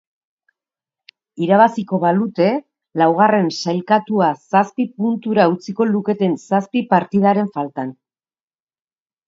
Irabaziko balute, laugarren sailkatua zazpi puntura utziko luketen zazpi partidaren faltan.